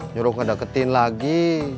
nyuruh ngedeketin lagi